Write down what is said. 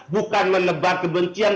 bukan menebar kebencian